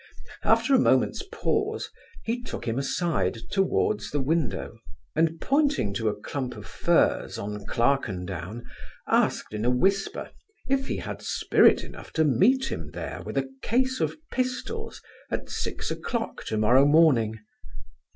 After a moment's pause, he took him aside towards die window; and, pointing to the clump of firs, on Clerken down, asked in a whisper, if he had spirit enough to meet him there, with a case of pistols, at six o'clock tomorrow morning.